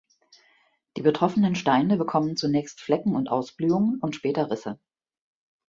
Die betroffenen Steine bekommen zunächst Flecken und Ausblühungen und später Risse.